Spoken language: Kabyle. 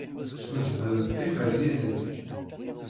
Smesdent tiferyin-nni.